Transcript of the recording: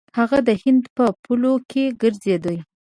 هغه د هند په پولو کې ګرځېدی.